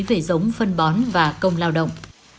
về giống phân bón và công lao động